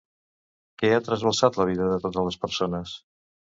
Què ha trasbalsat la vida de totes les persones?